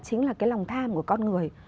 chính là cái lòng tham của con người